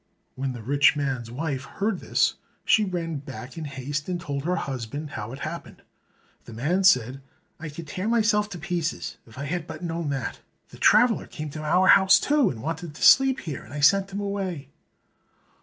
When the rich man's wife heard this, she ran back in haste and told her husband how it had happened. The man said, "I could tear myself to pieces! If I had but known that! That traveler came to our house too, and wanted to sleep here, and I sent him away."